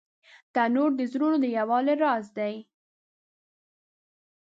تنور د زړونو د یووالي راز لري